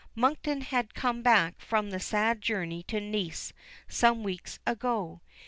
Monkton had come back from that sad journey to Nice some weeks ago.